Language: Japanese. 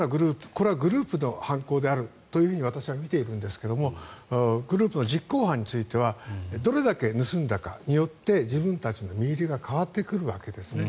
これはグループの犯行であると私は見ているんですがグループの実行犯についてはどれだけ盗んだかによって自分たちの身売りが変わってくるわけですね。